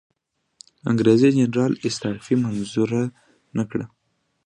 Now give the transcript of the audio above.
انګریزي جنرال استعفی منظوره نه کړه.